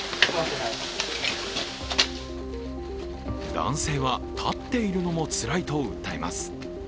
男性は、立っているのもつらいと訴えます。